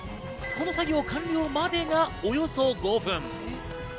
この作業完了までがおよそ５分。